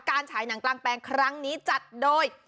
ฉายหนังกลางแปลงครั้งนี้จัดโดย